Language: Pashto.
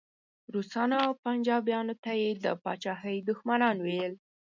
روسانو او پنجابیانو ته یې د پاچاهۍ دښمنان ویل.